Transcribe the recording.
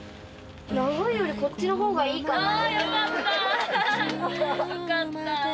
長いよりこっちのほうがいいよかった。